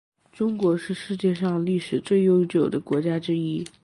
中国是世界上历史最悠久的国家之一。